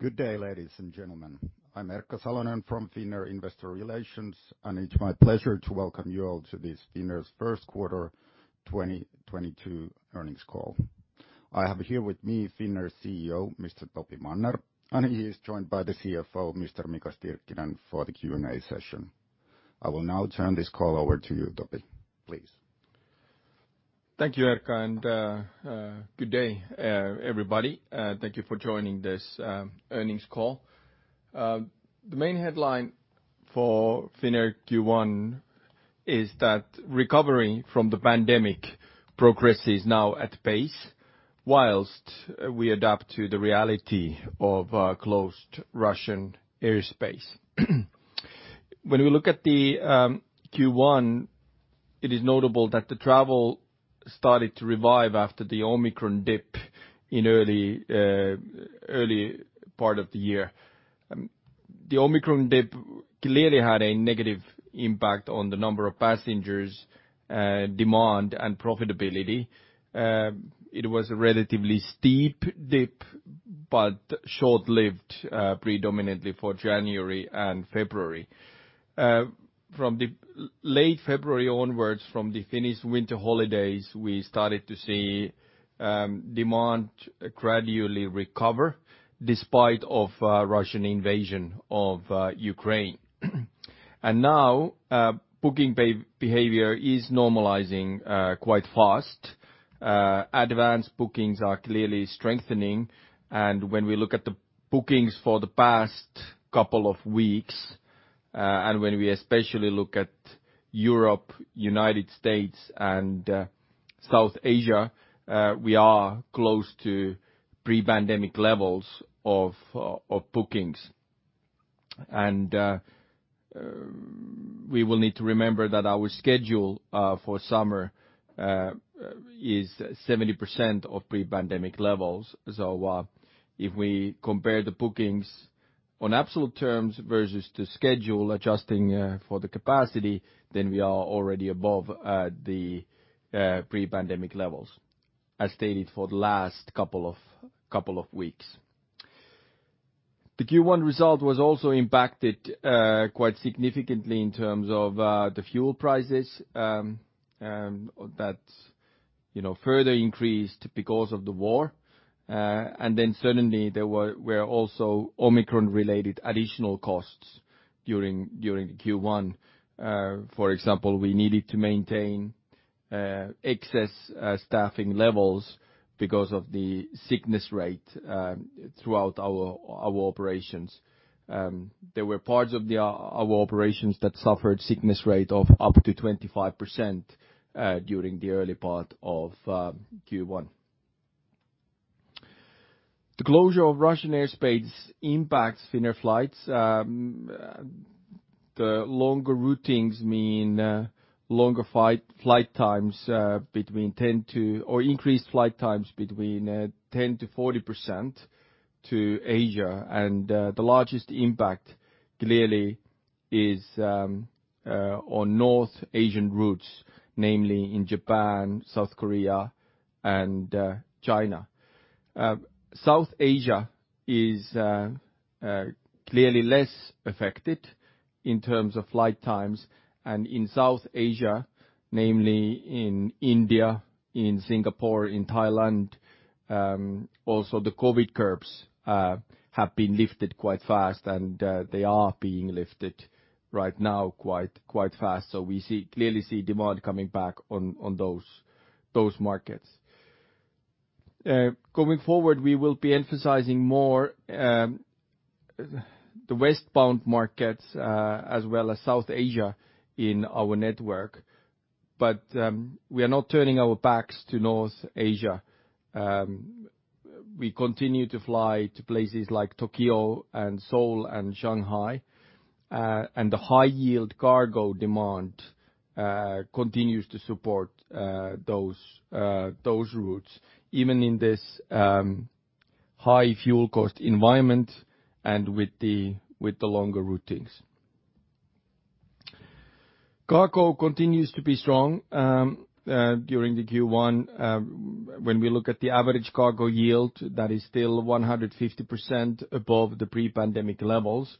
Good day, ladies and gentlemen. I'm Erkka Salonen from Finnair Investor Relations, and it's my pleasure to welcome you all to this Finnair's first quarter 2022 earnings call. I have here with me Finnair's CEO, Mr. Topi Manner, and he is joined by the CFO, Mr. Mika Stirkkinen for the Q&A session. I will now turn this call over to you, Topi, please. Thank you, Erkka, and good day, everybody. Thank you for joining this earnings call. The main headline for Finnair Q1 is that recovering from the pandemic progresses now at pace while we adapt to the reality of closed Russian airspace. When we look at the Q1, it is notable that the travel started to revive after the Omicron dip in early part of the year. The Omicron dip clearly had a negative impact on the number of passengers, demand and profitability. It was a relatively steep dip, but short-lived, predominantly for January and February. From the late February onwards from the Finnish winter holidays, we started to see demand gradually recover despite of Russian invasion of Ukraine. Now, booking behavior is normalizing quite fast. Advanced bookings are clearly strengthening. When we look at the bookings for the past couple of weeks, and when we especially look at Europe, United States and South Asia, we are close to pre-pandemic levels of bookings. We will need to remember that our schedule for summer is 70% of pre-pandemic levels. If we compare the bookings on absolute terms versus the schedule adjusting for the capacity, then we are already above the pre-pandemic levels, as stated for the last couple of weeks. The Q1 result was also impacted quite significantly in terms of the fuel prices that you know further increased because of the war. Then certainly, there were also Omicron-related additional costs during Q1. For example, we needed to maintain excess staffing levels because of the sickness rate throughout our operations. There were parts of our operations that suffered sickness rate of up to 25% during the early part of Q1. The closure of Russian airspace impacts Finnair flights. The longer routings mean longer flight times or increased flight times between 10%-40% to Asia. The largest impact clearly is on North Asian routes, namely in Japan, South Korea, and China. South Asia is clearly less affected in terms of flight times. In South Asia, namely in India, in Singapore, in Thailand, also the COVID curbs have been lifted quite fast, and they are being lifted right now quite fast. We clearly see demand coming back on those markets. Going forward, we will be emphasizing more the westbound markets as well as South Asia in our network. We are not turning our backs to North Asia. We continue to fly to places like Tokyo and Seoul and Shanghai. The high yield cargo demand continues to support those routes, even in this high fuel cost environment and with the longer routings. Cargo continues to be strong during the Q1. When we look at the average cargo yield, that is still 150% above the pre-pandemic levels.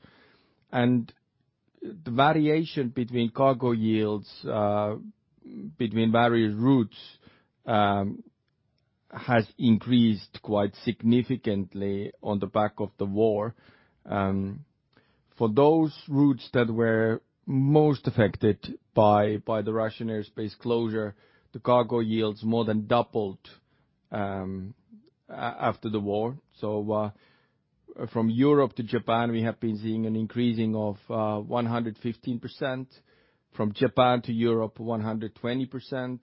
The variation between cargo yields between various routes has increased quite significantly on the back of the war. For those routes that were most affected by the Russian airspace closure, the cargo yields more than doubled after the war. From Europe to Japan, we have been seeing an increasing of 115%. From Japan to Europe, 120%.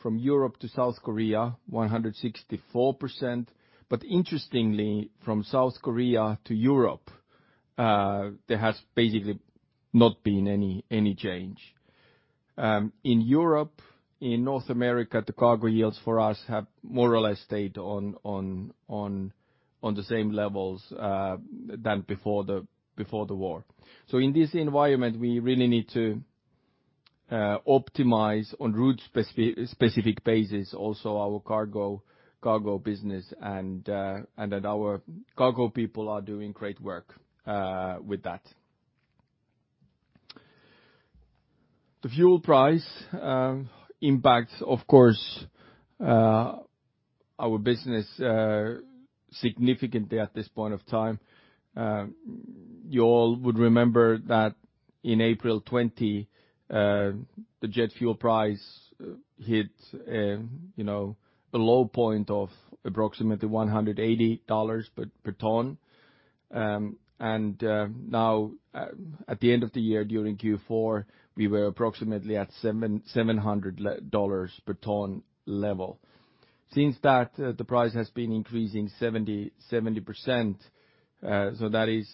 From Europe to South Korea, 164%. Interestingly, from South Korea to Europe, there has basically not been any change. In Europe, in North America, the cargo yields for us have more or less stayed on the same levels than before the war. In this environment, we really need to optimize on route specific basis, also our cargo business and that our cargo people are doing great work with that. The fuel price impacts, of course, our business significantly at this point of time. You all would remember that in April 2020 the jet fuel price hit you know a low point of approximately $180 per ton. Now at the end of the year during Q4, we were approximately at 700 dollars per ton level. Since then the price has been increasing 70%. That is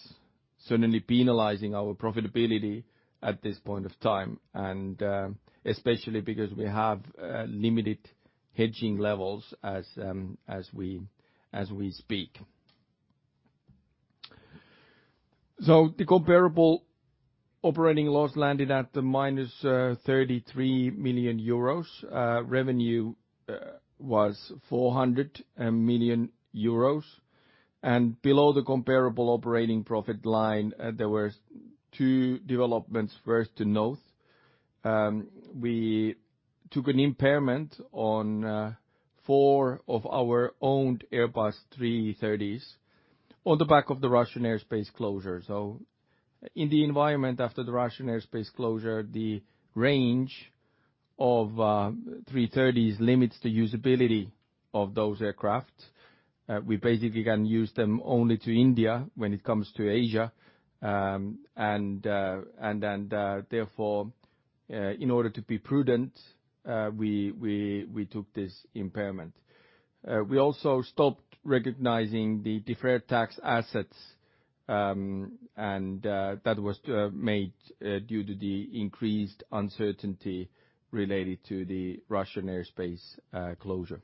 certainly penalizing our profitability at this point of time, and especially because we have limited hedging levels as we speak. The comparable operating loss landed at -33 million euros. Revenue was 400 million euros. Below the comparable operating profit line there were two developments worth to note. We took an impairment on four of our owned Airbus A330s on the back of the Russian airspace closure. In the environment after the Russian airspace closure, the range of A330s limits the usability of those aircraft. We basically can use them only to India when it comes to Asia. Therefore, in order to be prudent, we took this impairment. We also stopped recognizing the deferred tax assets, and that was made due to the increased uncertainty related to the Russian airspace closure.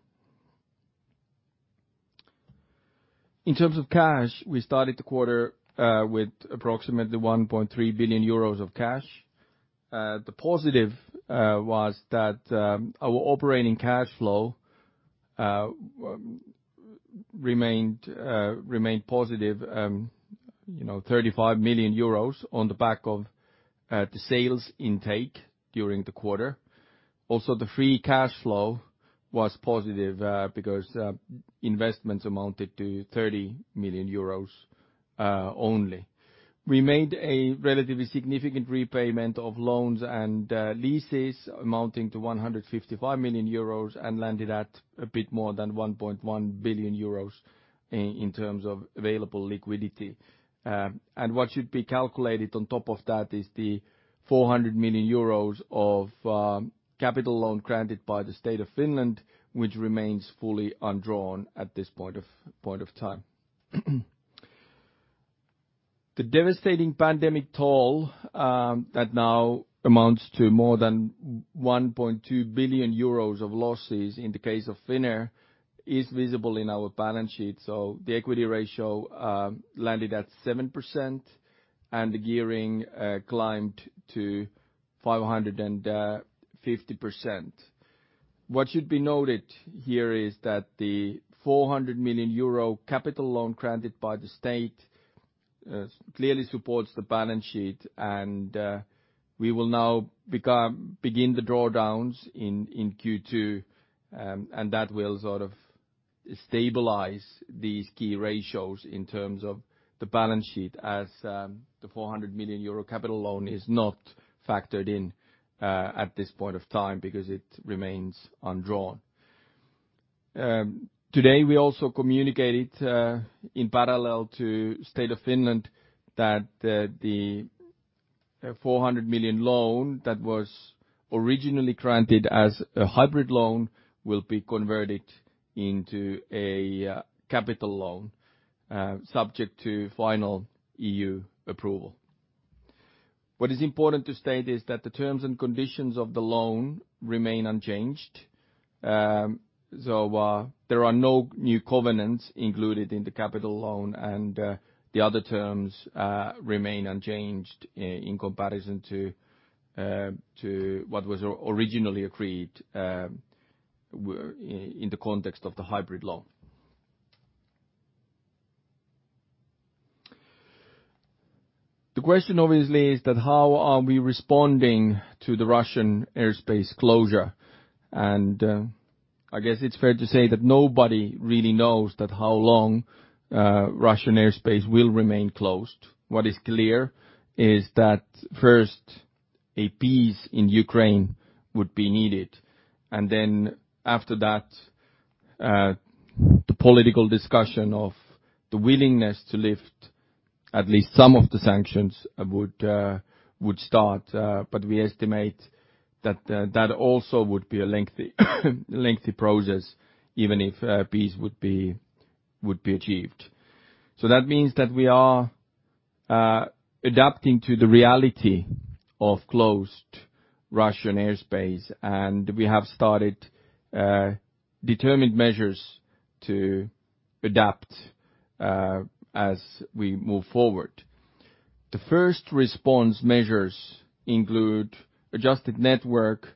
In terms of cash, we started the quarter with approximately 1.3 billion euros of cash. The positive was that our operating cash flow remained positive, you know, 35 million euros on the back of the sales intake during the quarter. Also, the free cash flow was positive because investments amounted to 30 million euros only. We made a relatively significant repayment of loans and leases amounting to 155 million euros and landed at a bit more than 1.1 billion euros in terms of available liquidity. What should be calculated on top of that is the 400 million euros of capital loan granted by the State of Finland, which remains fully undrawn at this point of time. The devastating pandemic toll that now amounts to more than 1.2 billion euros of losses in the case of Finnair is visible in our balance sheet. The equity ratio landed at 7%, and the gearing climbed to 550%. What should be noted here is that the 400 million euro capital loan granted by the state clearly supports the balance sheet and we will now begin the drawdowns in Q2. That will sort of stabilize these key ratios in terms of the balance sheet as the 400 million euro capital loan is not factored in at this point of time because it remains undrawn. Today we also communicated in parallel to State of Finland that the 400 million loan that was originally granted as a hybrid loan will be converted into a capital loan subject to final EU approval. What is important to state is that the terms and conditions of the loan remain unchanged. There are no new covenants included in the capital loan and the other terms remain unchanged in comparison to what was originally agreed in the context of the hybrid loan. The question obviously is that how are we responding to the Russian airspace closure? I guess it's fair to say that nobody really knows that how long Russian airspace will remain closed. What is clear is that first a peace in Ukraine would be needed. After that, the political discussion of the willingness to lift at least some of the sanctions would start. We estimate that also would be a lengthy process, even if peace would be achieved. That means that we are adapting to the reality of closed Russian airspace, and we have started determined measures to adapt as we move forward. The first response measures include adjusted network,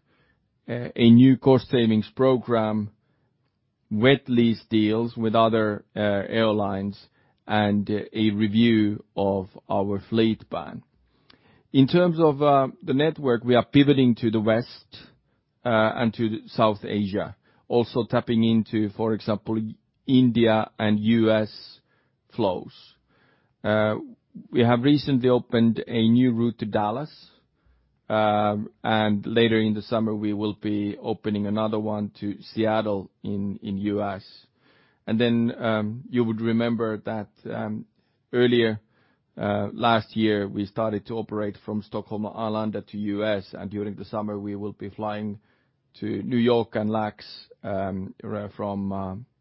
a new cost savings program, wet lease deals with other airlines, and a review of our fleet plan. In terms of the network, we are pivoting to the West, and to South Asia, also tapping into, for example, India and U.S. flows. We have recently opened a new route to Dallas, and later in the summer we will be opening another one to Seattle in U.S. You would remember that earlier last year, we started to operate from Stockholm Arlanda to U.S., and during the summer, we will be flying to New York and LAX from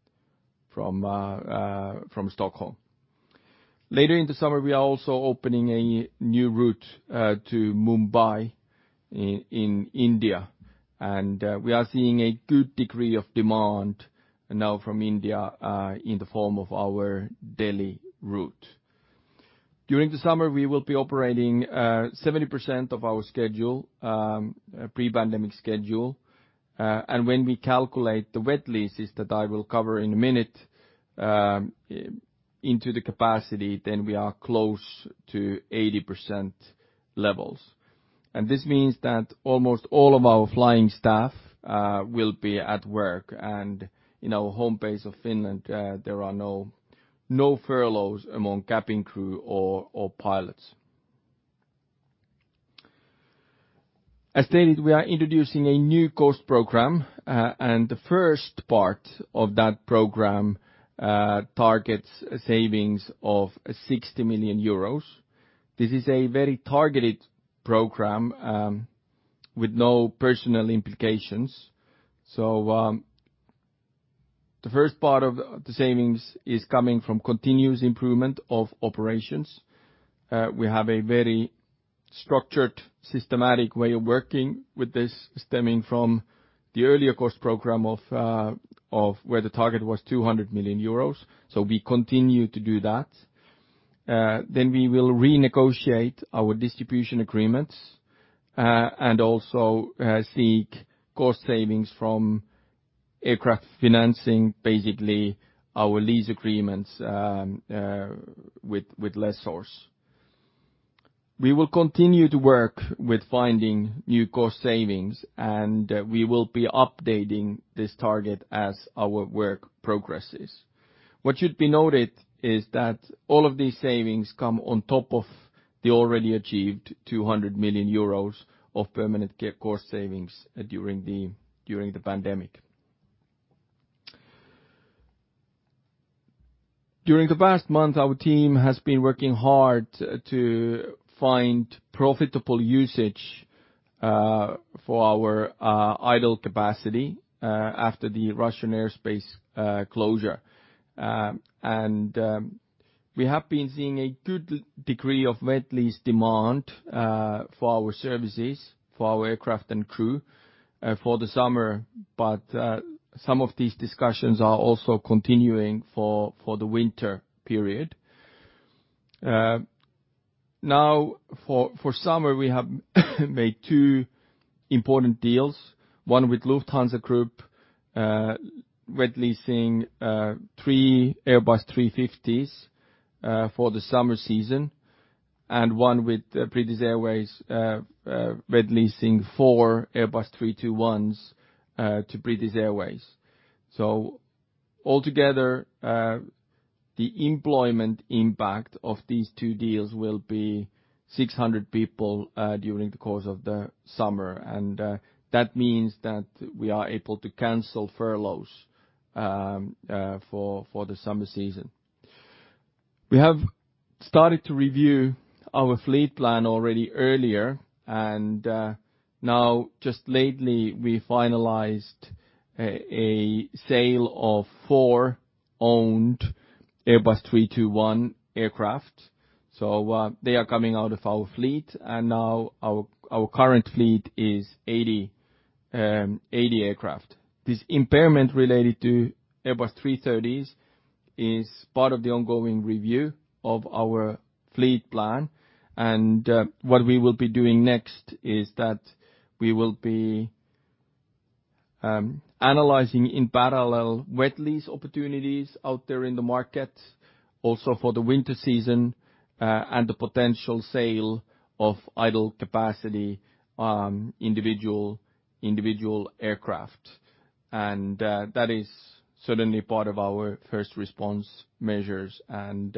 Stockholm. Later in the summer, we are also opening a new route to Mumbai in India, and we are seeing a good degree of demand now from India in the form of our Delhi route. During the summer, we will be operating 70% of our schedule, pre-pandemic schedule, and when we calculate the wet leases that I will cover in a minute into the capacity, then we are close to 80% levels. This means that almost all of our flying staff will be at work. In our home base of Finland, there are no furloughs among cabin crew or pilots. As stated, we are introducing a new cost program, and the first part of that program targets savings of 60 million euros. This is a very targeted program with no personal implications. The first part of the savings is coming from continuous improvement of operations. We have a very structured, systematic way of working with this stemming from the earlier cost program of where the target was 200 million euros. We continue to do that. Then we will renegotiate our distribution agreements and also seek cost savings from aircraft financing, basically our lease agreements with lessors. We will continue to work with finding new cost savings, and we will be updating this target as our work progresses. What should be noted is that all of these savings come on top of the already achieved 200 million euros of permanent cost savings during the pandemic. During the past month, our team has been working hard to find profitable usage for our idle capacity after the Russian airspace closure. We have been seeing a good degree of wet lease demand for our services, for our aircraft and crew for the summer. Some of these discussions are also continuing for the winter period. Now for summer, we have made two important deals, one with Lufthansa Group, wet leasing three Airbus A350s for the summer season, and one with British Airways, wet leasing four Airbus A321s to British Airways. Altogether, the employment impact of these two deals will be 600 people during the course of the summer. That means that we are able to cancel furloughs for the summer season. We have started to review our fleet plan already earlier, and now just lately, we finalized a sale of four owned Airbus A321 aircraft. They are coming out of our fleet, and now our current fleet is 80 aircraft. This impairment related to Airbus A330s is part of the ongoing review of our fleet plan. What we will be doing next is that we will be analyzing in parallel wet lease opportunities out there in the market, also for the winter season, and the potential sale of idle capacity, individual aircraft. That is certainly part of our first response measures, and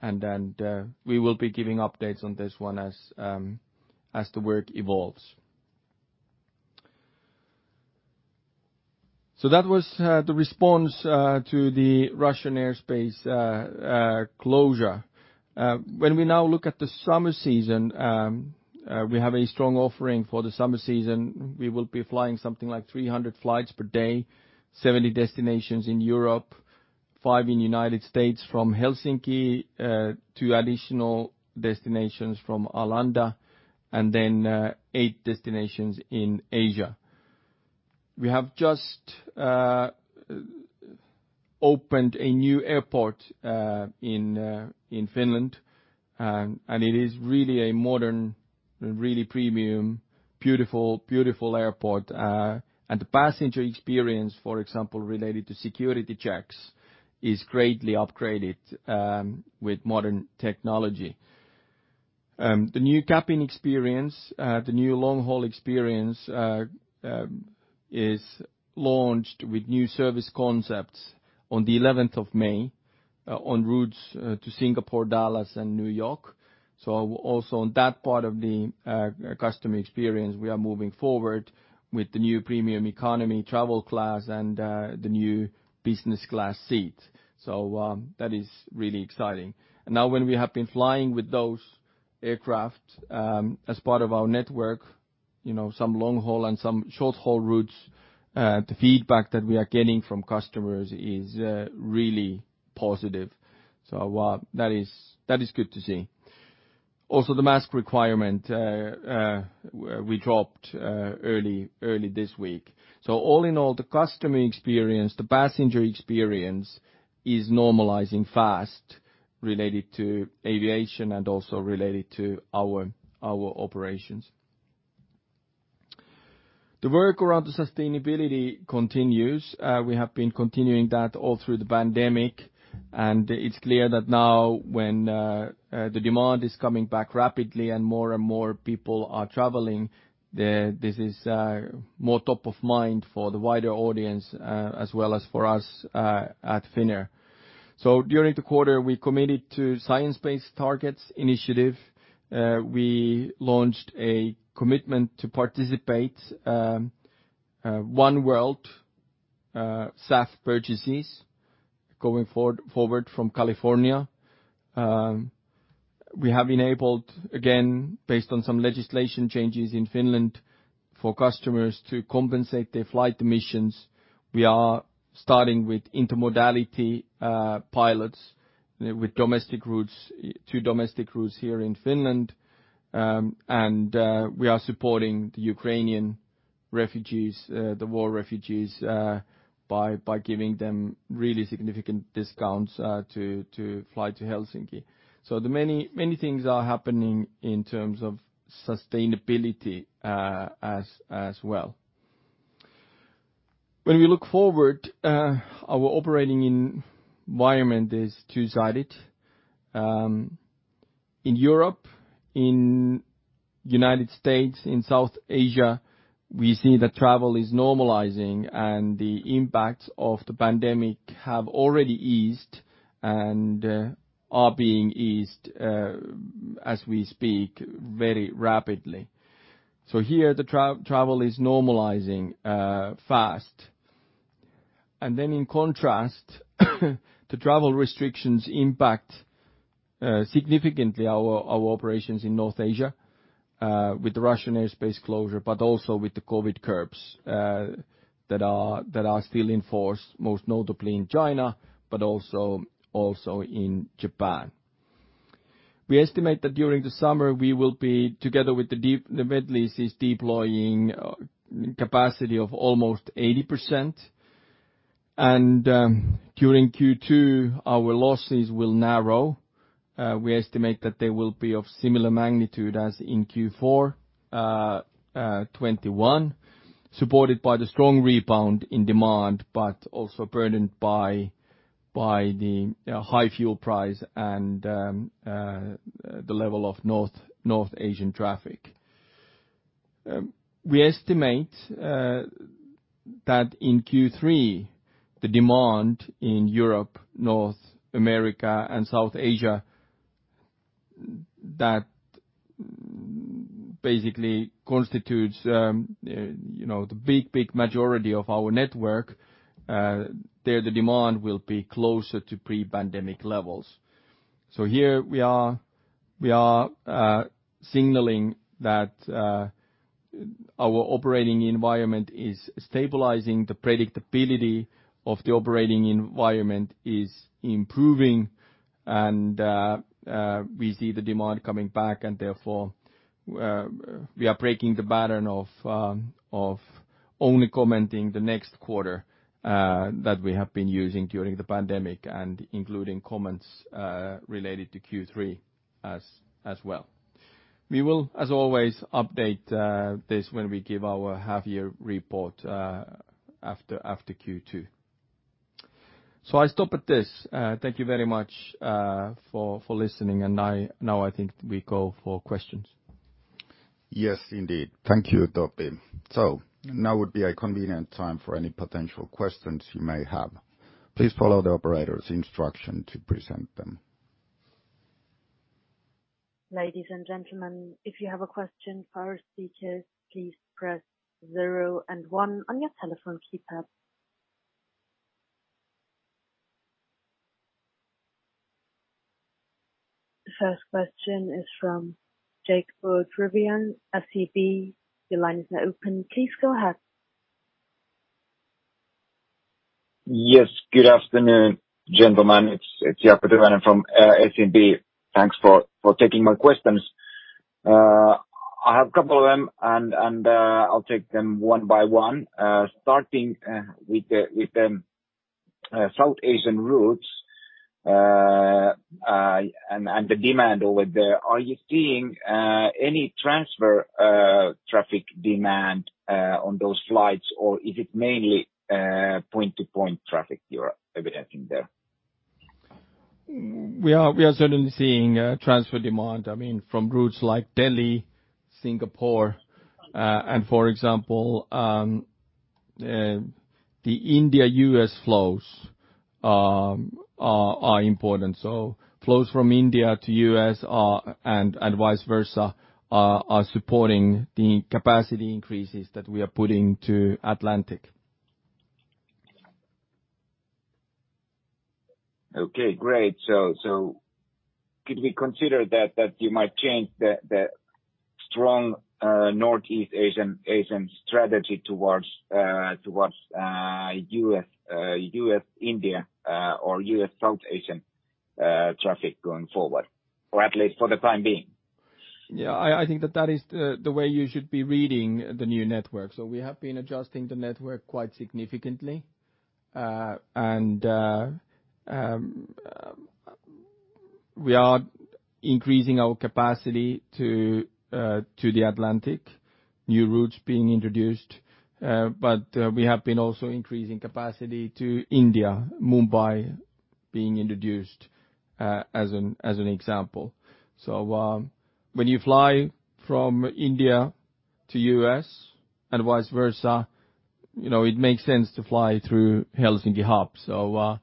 then we will be giving updates on this one as the work evolves. That was the response to the Russian airspace closure. When we now look at the summer season, we have a strong offering for the summer season. We will be flying something like 300 flights per day, 70 destinations in Europe, five in U.S. from Helsinki, two additional destinations from Arlanda, and then eight destinations in Asia. We have just opened a new airport in Finland. It is really a modern and really premium, beautiful airport. The passenger experience, for example, related to security checks is greatly upgraded with modern technology. The new cabin experience, the new long-haul experience, is launched with new service concepts on the eleventh of May on routes to Singapore, Dallas and New York. Also on that part of the customer experience, we are moving forward with the new premium economy travel class and the new business class seat. That is really exciting. Now when we have been flying with those aircraft, as part of our network, you know, some long haul and some short haul routes, the feedback that we are getting from customers is really positive. That is good to see. Also the mask requirement we dropped early this week. All in all, the customer experience, the passenger experience is normalizing fast related to aviation and also related to our operations. The work around sustainability continues. We have been continuing that all through the pandemic, and it's clear that now when the demand is coming back rapidly and more and more people are traveling, this is more top of mind for the wider audience as well as for us at Finnair. During the quarter, we committed to Science Based Targets initiative. We launched a commitment to participate in oneworld SAF purchases going forward from California. We have enabled again, based on some legislation changes in Finland for customers to compensate their flight emissions. We are starting with intermodality pilots with domestic routes, two domestic routes here in Finland. We are supporting the Ukrainian refugees, the war refugees, by giving them really significant discounts to fly to Helsinki. Many things are happening in terms of sustainability as well. When we look forward, our operating environment is two-sided. In Europe, in United States, in South Asia, we see that travel is normalizing and the impacts of the pandemic have already eased and are being eased as we speak very rapidly. Here travel is normalizing fast. In contrast, the travel restrictions impact significantly our operations in North Asia, with the Russian airspace closure, but also with the COVID curbs that are still in force, most notably in China, but also in Japan. We estimate that during the summer we will be together with the wet leases deploying capacity of almost 80%. During Q2, our losses will narrow. We estimate that they will be of similar magnitude as in Q4 2021, supported by the strong rebound in demand, but also burdened by the high fuel price and the level of North Asian traffic. We estimate that in Q3 the demand in Europe, North America and South Asia that basically constitutes you know the big majority of our network there the demand will be closer to pre-pandemic levels. Here we are signaling that our operating environment is stabilizing. The predictability of the operating environment is improving and we see the demand coming back and therefore we are breaking the pattern of only commenting the next quarter that we have been using during the pandemic and including comments related to Q3 as well. We will as always update this when we give our half year report after Q2. I stop at this. Thank you very much for listening. Now I think we go for questions. Yes, indeed. Thank you, Topi. Now would be a convenient time for any potential questions you may have. Please follow the operator's instruction to present them. Ladies and gentlemen, if you have a question for our speakers, please press zero and one on your telephone keypad. The first question is from Jaakko Tyrväinen, SEB. Your line is now open. Please go ahead. Yes. Good afternoon, gentlemen. We are certainly seeing transfer demand, I mean from routes like Delhi, Singapore, and for example, the India-U.S. flows are important. Flows from India to U.S. and vice versa are supporting the capacity increases that we are putting to Atlantic. Okay, great. Could we consider that you might change the strong Northeast Asian strategy towards U.S.-India or U.S.-South Asian traffic going forward or at least for the time being? Yeah. I think that is the way you should be reading the new network. We have been adjusting the network quite significantly. We are increasing our capacity to the Atlantic, new routes being introduced. We have been also increasing capacity to India, Mumbai being introduced, as an example. When you fly from India to U.S. and vice versa, you know, it makes sense to fly through Helsinki hub.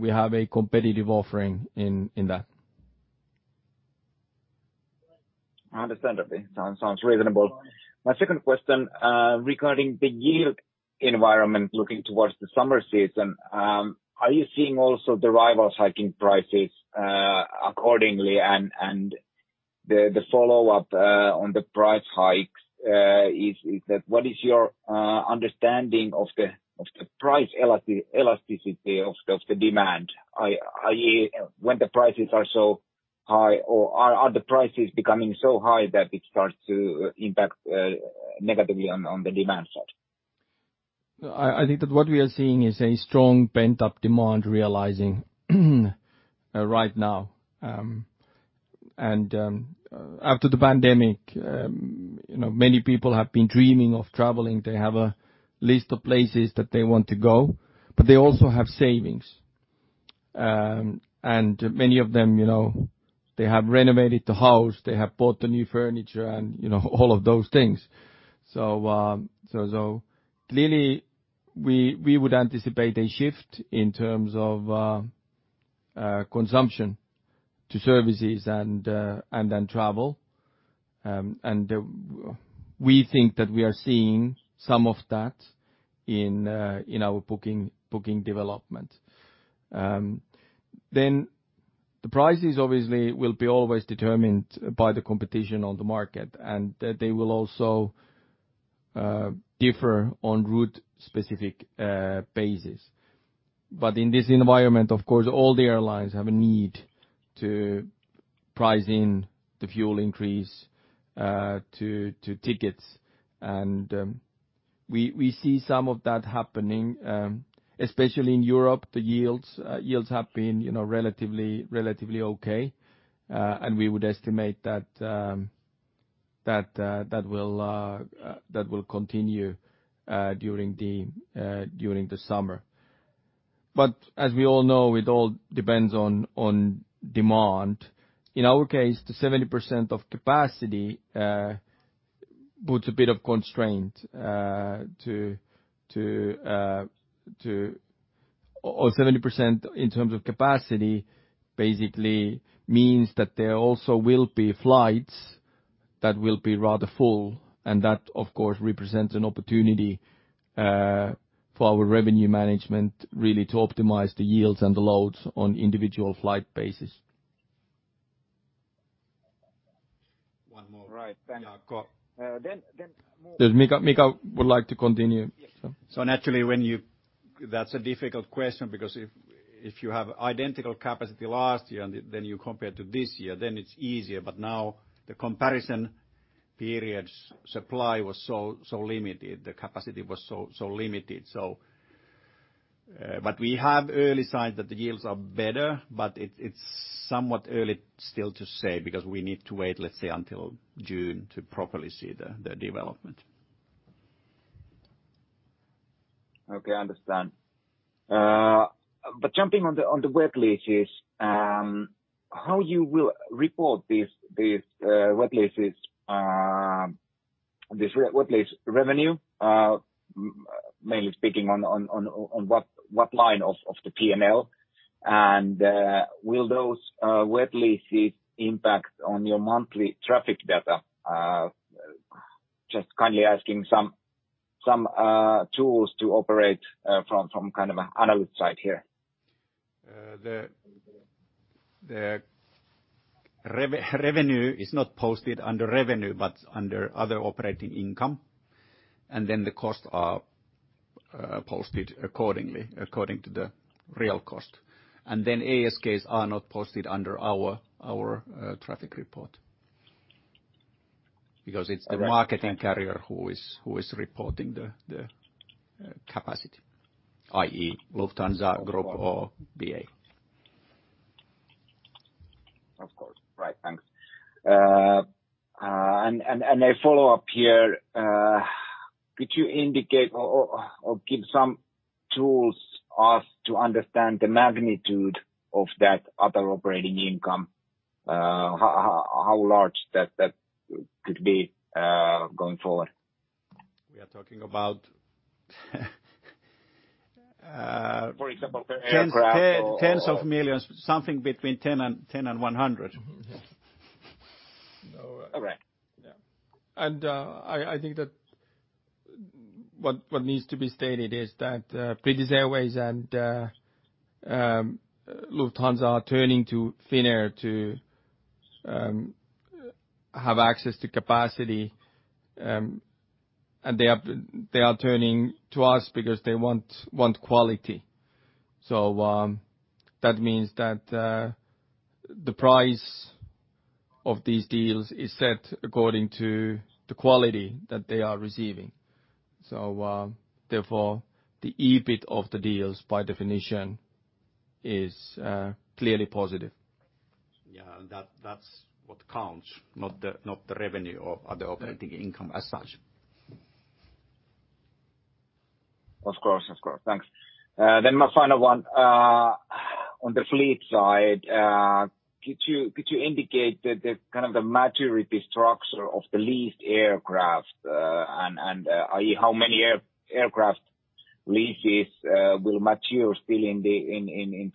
We have a competitive offering in that. Understandably. Sounds reasonable. My second question, regarding the yield environment looking towards the summer season, are you seeing also the rivals hiking prices, accordingly? The follow-up on the price hikes, is that what is your understanding of the price elasticity of the demand? i.e., when the prices are so high or are the prices becoming so high that it starts to impact negatively on the demand side? I think that what we are seeing is a strong pent-up demand realizing right now. After the pandemic, you know, many people have been dreaming of traveling. They have a list of places that they want to go, but they also have savings. Many of them, you know, they have renovated the house, they have bought the new furniture and, you know, all of those things. Clearly we would anticipate a shift in terms of consumption to services and then travel. We think that we are seeing some of that in our booking development. The prices obviously will be always determined by the competition on the market, and they will also differ on route specific basis. In this environment, of course, all the airlines have a need to price in the fuel increase to tickets. We see some of that happening, especially in Europe, the yields. Yields have been, you know, relatively okay. We would estimate that that will continue during the summer. As we all know, it all depends on demand. In our case, the 70% of capacity puts a bit of constraint. Or 70% in terms of capacity basically means that there also will be flights that will be rather full, and that of course represents an opportunity for our revenue management really to optimize the yields and the loads on individual flight basis. One more. Right. Thank you. Yeah, go. Then more. Does Mika would like to continue? Yes. That's a difficult question because if you have identical capacity last year and then you compare to this year, then it's easier. Now the comparison periods supply was so limited, the capacity was so limited. We have early signs that the yields are better, but it's somewhat early still to say because we need to wait, let's say, until June to properly see the development. Okay, I understand. But jumping on the wet leases, how you will report these wet leases, this wet lease revenue, mainly speaking on what line of the P&L? Will those wet leases impact on your monthly traffic data? Just kindly asking for some tools to operate from kind of an analyst side here. The revenue is not posted under revenue, but under other operating income. The costs are posted accordingly, according to the real cost. ASKs are not posted under our traffic report because it's the marketing carrier who is reporting the capacity, i.e., Lufthansa Group or BA. Of course. Right. Thanks. A follow-up here. Could you indicate or give some tools as to understand the magnitude of that other operating income, how large that could be going forward? We are talking about. For example, per aircraft or Tens of millions. Something between 10 million and 100 million. All right. I think that what needs to be stated is that British Airways and Lufthansa are turning to Finnair to have access to capacity. They are turning to us because they want quality. That means that the price of these deals is set according to the quality that they are receiving. Therefore, the EBIT of the deals by definition is clearly positive. Yeah. That’s what counts, not the revenue or other operating income as such. Of course. Thanks. My final one. On the fleet side, could you indicate the kind of maturity structure of the leased aircraft, and how many aircraft leases will mature still in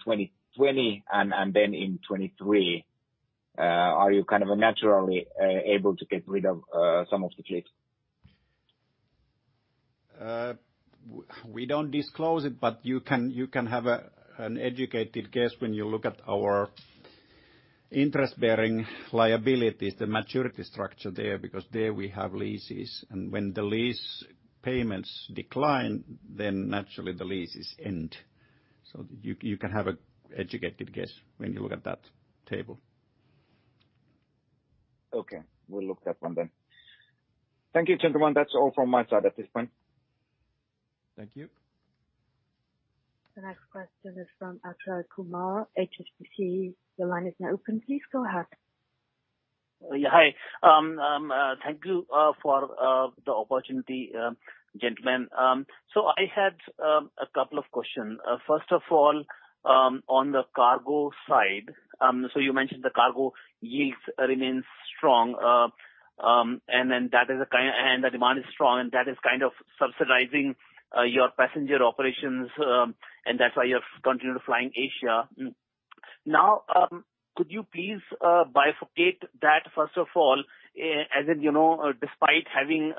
2020 and then in 2023? Are you kind of naturally able to get rid of some of the fleet? We don't disclose it, but you can have an educated guess when you look at our interest-bearing liabilities, the maturity structure there, because there we have leases. When the lease payments decline, then naturally the leases end. You can have an educated guess when you look at that table. Okay. I'll look at that one then. Thank you, gentlemen. That's all from my side at this point. Thank you. The next question is from Achal Kumar, HSBC. The line is now open. Please go ahead. Yeah. Hi. Thank you for the opportunity, gentlemen. I had a couple of questions. First of all, on the cargo side, you mentioned the cargo yields remains strong. The demand is strong, and that is kind of subsidizing your passenger operations, and that's why you have continued flying Asia. Now, could you please bifurcate that, first of all, as in, you know, despite having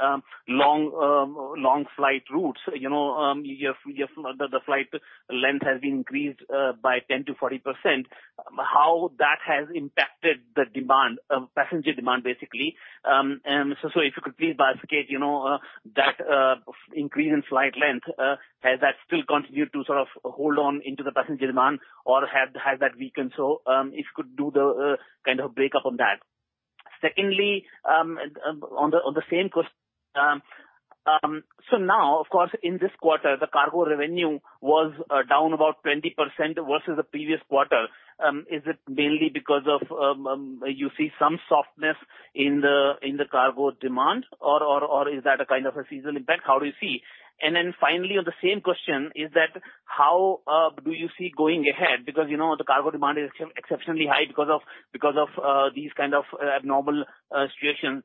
long flight routes, you know, the flight length has been increased by 10%-40%, how that has impacted the demand, passenger demand, basically? If you could please bifurcate, you know, that increase in flight length, has that still continued to sort of hold on into the passenger demand or has that weakened? If you could do the kind of break up on that. Secondly, on the same quest- now, of course, in this quarter, the cargo revenue was down about 20% versus the previous quarter. Is it mainly because of you see some softness in the cargo demand or is that a kind of a seasonal impact? How do you see? Then finally on the same question is that how do you see going ahead? You know, the cargo demand is exceptionally high because of these kind of abnormal situations.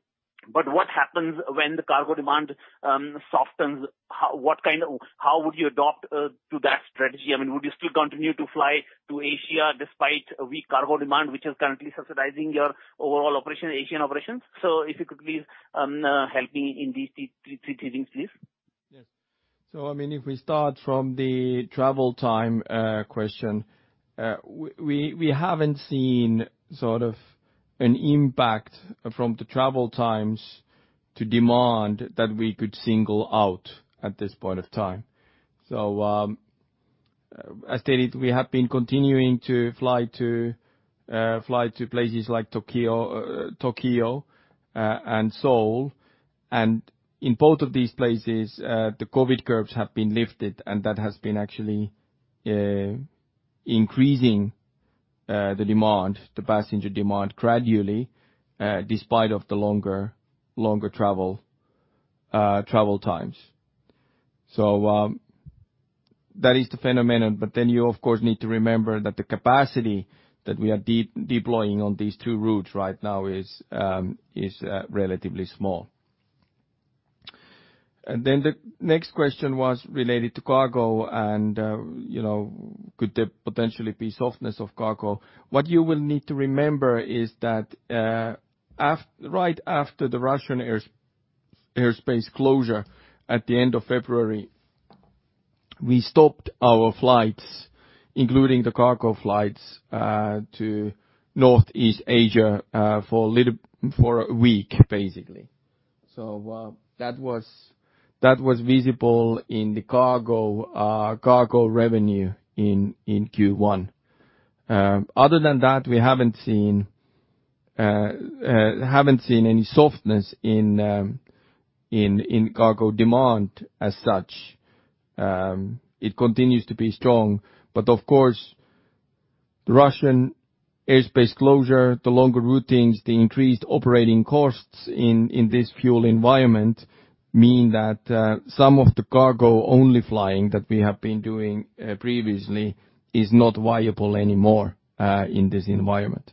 What happens when the cargo demand softens? How would you adapt to that strategy? I mean, would you still continue to fly to Asia despite a weak cargo demand which is currently subsidizing your overall operation, Asian operations? If you could please help me in these three things, please. Yes. I mean, if we start from the travel time question, we haven't seen sort of an impact from the travel times to demand that we could single out at this point of time. As stated, we have been continuing to fly to places like Tokyo and Seoul. In both of these places, the COVID curves have been lifted, and that has been actually increasing the demand, the passenger demand gradually, despite of the longer travel times. That is the phenomenon. You, of course, need to remember that the capacity that we are deploying on these two routes right now is relatively small. The next question was related to cargo and, you know, could there potentially be softness of cargo? What you will need to remember is that, right after the Russian airspace closure at the end of February, we stopped our flights, including the cargo flights, to Northeast Asia, for a week, basically. That was visible in the cargo revenue in Q1. Other than that, we haven't seen any softness in cargo demand as such. It continues to be strong. Of course, the Russian airspace closure, the longer routings, the increased operating costs in this fuel environment mean that, some of the cargo-only flying that we have been doing previously is not viable anymore in this environment.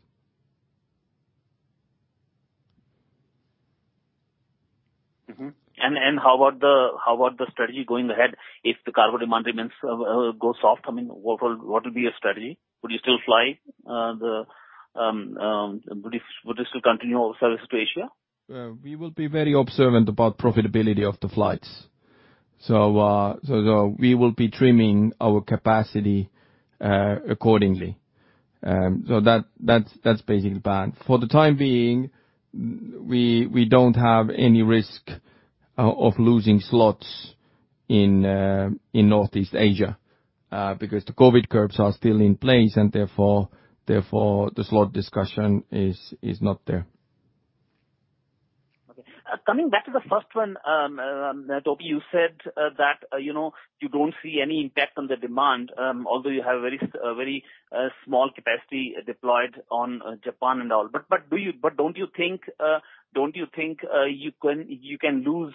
How about the strategy going ahead if the cargo demand remains, goes soft? I mean, what will be your strategy? Would you still continue your service to Asia? We will be very observant about profitability of the flights. We will be trimming our capacity accordingly. That's basically the plan. For the time being, we don't have any risk of losing slots in Northeast Asia because the COVID curbs are still in place, and therefore the slot discussion is not there. Okay. Coming back to the first one, Topi, you said that, you know, you don't see any impact on the demand, although you have a very small capacity deployed on Japan and all. Don't you think you can lose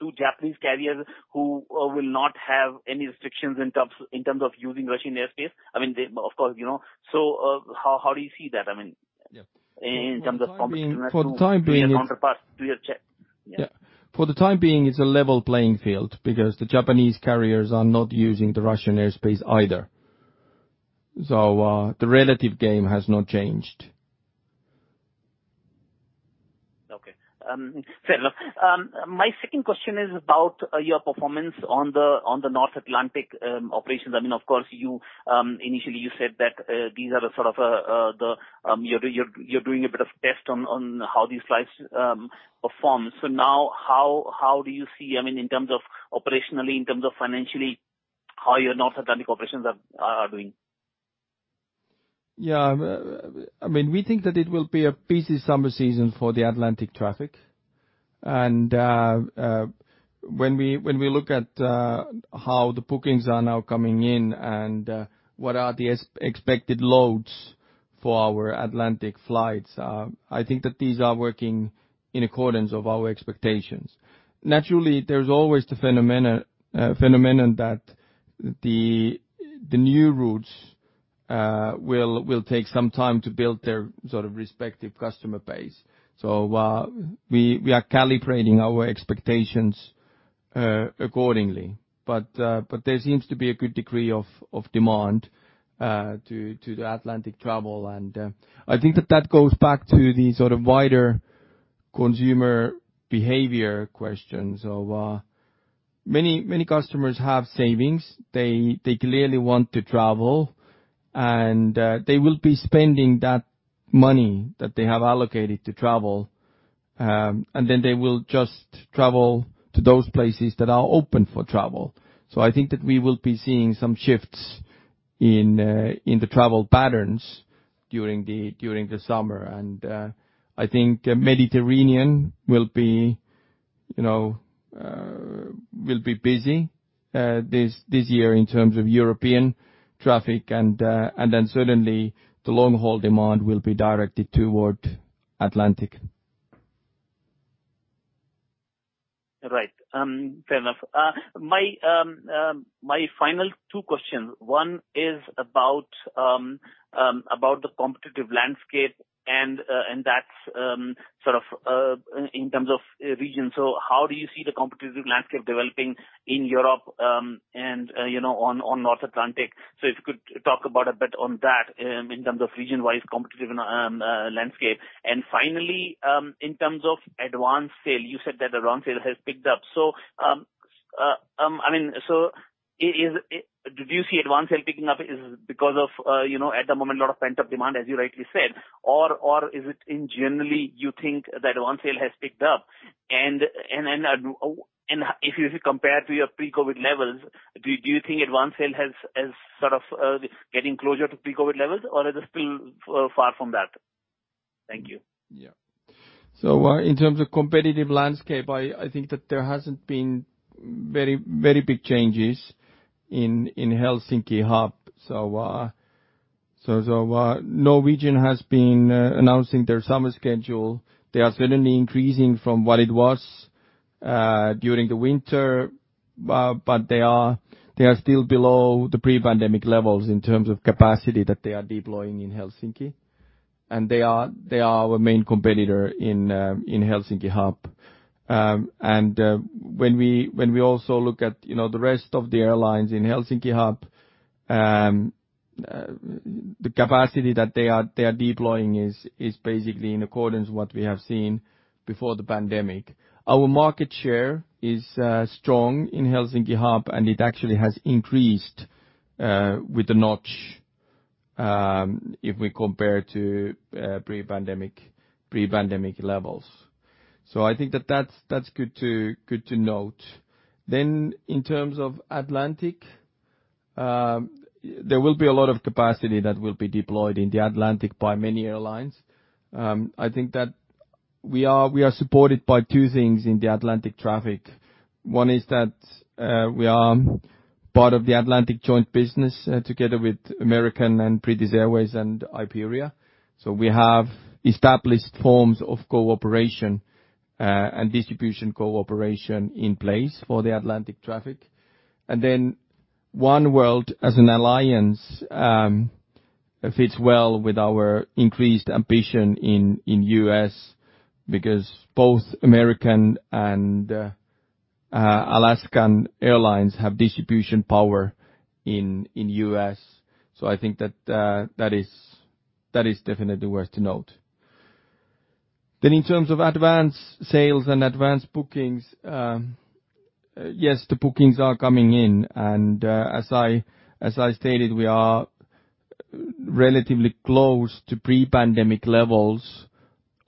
two Japanese carriers who will not have any restrictions in terms of using Russian airspace? I mean, of course, you know. How do you see that? I mean. Yeah. In terms of competition. For the time being. To your counterpart, to your check. Yeah. Yeah. For the time being, it's a level playing field because the Japanese carriers are not using the Russian airspace either. The relative game has not changed. Okay. Fair enough. My second question is about your performance on the North Atlantic operations. I mean, of course, you initially said that these are the sort of you're doing a bit of testing on how these flights perform. Now how do you see, I mean, in terms of operationally, in terms of financially, how your North Atlantic operations are doing? Yeah. I mean, we think that it will be a busy summer season for the Atlantic traffic. When we look at how the bookings are now coming in and what are the expected loads for our Atlantic flights, I think that these are working in accordance with our expectations. Naturally, there's always the phenomenon that the new routes will take some time to build their sort of respective customer base. We are calibrating our expectations accordingly. But there seems to be a good degree of demand to the Atlantic travel. I think that goes back to the sort of wider consumer behavior question. Many customers have savings. They clearly want to travel, and they will be spending that money that they have allocated to travel, and then they will just travel to those places that are open for travel. I think that we will be seeing some shifts in the travel patterns during the summer. I think Mediterranean will be, you know, busy this year in terms of European traffic. Certainly, the long-haul demand will be directed toward Atlantic. Right. Fair enough. My final two questions. One is about the competitive landscape and that's sort of in terms of region. How do you see the competitive landscape developing in Europe, and you know, on North Atlantic? If you could talk about a bit on that in terms of region-wise competitive landscape. Finally, in terms of advance sale, you said that advance sale has picked up. I mean, do you see advance sale picking up because of, you know, at the moment, a lot of pent-up demand, as you rightly said? Or is it in general you think that advance sale has picked up? If you compare to your pre-COVID levels, do you think advanced sales is sort of getting closer to pre-COVID levels or is it still far from that? Thank you. In terms of competitive landscape, I think that there hasn't been very big changes in Helsinki hub. Norwegian has been announcing their summer schedule. They are certainly increasing from what it was during the winter, but they are still below the pre-pandemic levels in terms of capacity that they are deploying in Helsinki. They are our main competitor in Helsinki hub. When we also look at, you know, the rest of the airlines in Helsinki hub, the capacity that they are deploying is basically in accordance with what we have seen before the pandemic. Our market share is strong in Helsinki hub, and it actually has increased a notch if we compare to pre-pandemic levels. I think that's good to note. In terms of Atlantic, there will be a lot of capacity that will be deployed in the Atlantic by many airlines. I think that we are supported by two things in the Atlantic traffic. One is that we are part of the Atlantic Joint Business together with American and British Airways and Iberia. We have established forms of cooperation and distribution cooperation in place for the Atlantic traffic. Oneworld as an alliance fits well with our increased ambition in U.S. because both American and Alaska Airlines have distribution power in U.S. I think that is definitely worth to note. In terms of advance sales and advance bookings, yes, the bookings are coming in, and as I stated, we are relatively close to pre-pandemic levels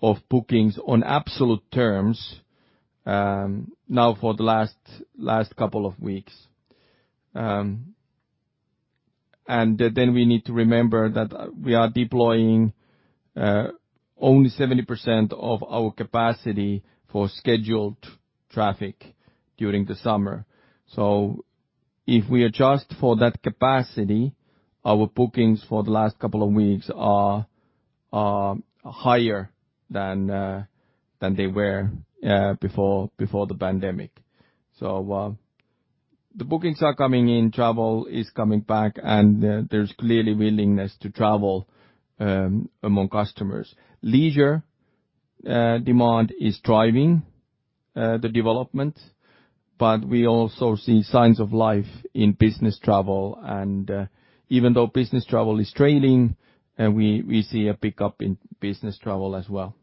of bookings on absolute terms, now for the last couple of weeks. We need to remember that we are deploying only 70% of our capacity for scheduled traffic during the summer. If we adjust for that capacity, our bookings for the last couple of weeks are higher than they were before the pandemic. The bookings are coming in, travel is coming back, and there's clearly willingness to travel among customers. Leisure demand is driving the development, but we also see signs of life in business travel and even though business travel is trailing, we see a pickup in business travel as well.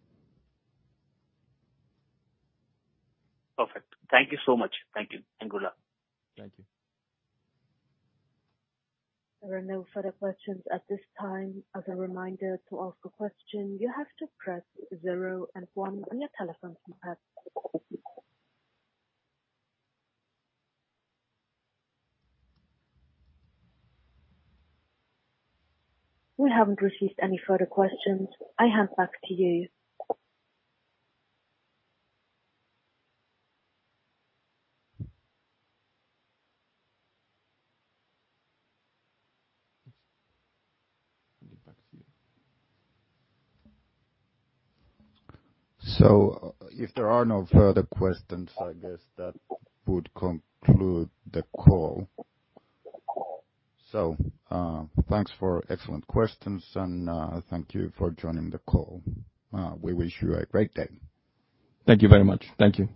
Perfect. Thank you so much. Thank you and good luck. Thank you. There are no further questions at this time. As a reminder, to ask a question you have to press zero and one on your telephone keypad. We haven't received any further questions. I hand back to you. If there are no further questions, I guess that would conclude the call. Thanks for excellent questions and, thank you for joining the call. We wish you a great day. Thank you very much. Thank you.